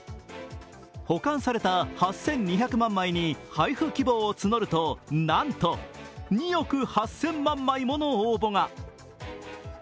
保管された８２００万枚に配布希望を募ると、なんと２億８０００万枚もの応募が。